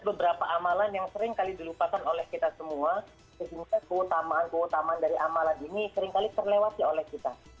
beberapa amalan yang seringkali dilupakan oleh kita semua sehingga keutamaan keutamaan dari amalan ini seringkali terlewati oleh kita